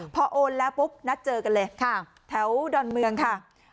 พอโอนแล้วปุ๊บนัดเจอกันเลยแถวดอนเมืองค่ะ